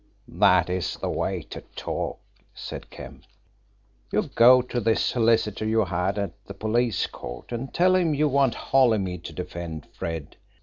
"That is the way to talk," said Kemp. "You go to this solicitor you had at the police court, and tell him you want Holymead to defend Fred.